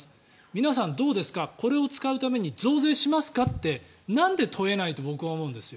皆さん、どうですかこれを使うために増税しますかってなんで問えないと僕は思うんです。